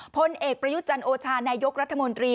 พลเอกประยุจันโอชานายกรัฐมนตรี